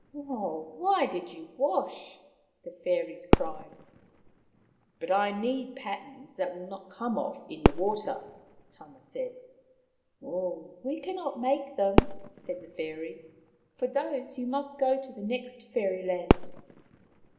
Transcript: Why did you wash ?" the fairies cried. But I need patterns that will not come off in water," Tama said. We cannot make them," said the Fairies. For those you must go to the next Fairy land."